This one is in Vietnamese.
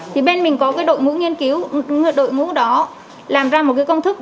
thì bên mình có cái đội ngũ nghiên cứu đội ngũ đó làm ra một cái công thức